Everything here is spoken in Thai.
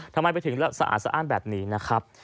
ทำไมไปถึงสะอาดสะอ้านแบบนี้นะครับ